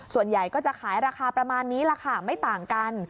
ส่วนใหญ่ก็จะขายราคาประมาณนี้ราคาไม่ต่างกัน